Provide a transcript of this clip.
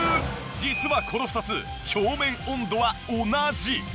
実はこの２つ表面温度は同じ！